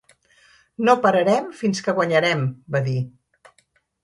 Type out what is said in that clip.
No pararem fins que guanyarem, va dir.